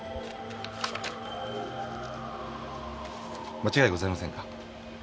間違いございませんか？